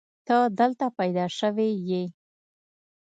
ته دلته پيدا شوې يې.